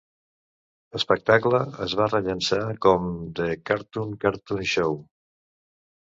Espectacle" es va rellançar com "The Cartoon Cartoon Show ".